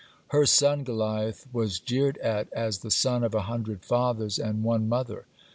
Her son Goliath was jeered at as "the son of a hundred fathers and one mother."